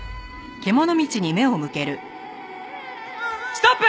ストップ！